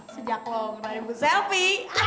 sejak lo beli bu selvi